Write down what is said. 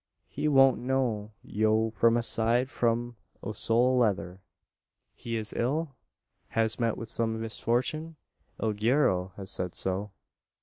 He won't know yo from a side o' sole leather." "He is ill? Has met with some misfortune? El guero has said so."